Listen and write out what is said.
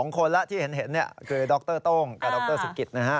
๒คนแล้วที่เห็นคือดรโต้งกับดรสุกิตนะฮะ